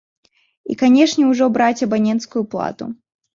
І, канешне, ужо браць абаненцкую плату.